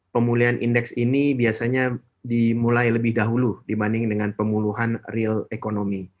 pemulihan indeks ini biasanya dimulai lebih dahulu dibanding dengan pemuluhan real economy